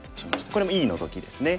これもいいノゾキですね。